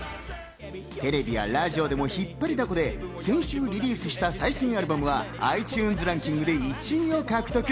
テレビやラジオでも引っ張りだこで、先週リリースした最新アルバムはｉＴｕｎｅｓランキングで１位を獲得。